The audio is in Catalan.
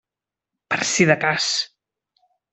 Per si de cas.